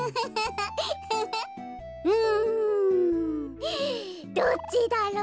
うん。どっちだろう。